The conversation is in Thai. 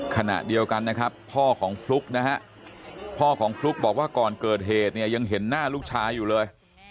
ขณะเดียวกันนะครับพ่อของฟลุ๊กนะฮะพ่อของฟลุ๊กบอกว่าก่อนเกิดเหตุเนี่ยยังเห็นหน้าลูกชายอยู่เลย